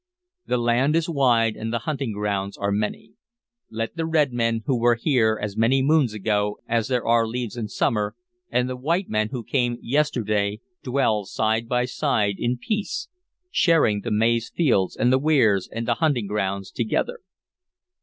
The land is wide and the hunting grounds are many. Let the red men who were here as many moons ago as there are leaves in summer and the white men who came yesterday dwell side by side in peace, sharing the maize fields and the weirs and the hunting grounds together."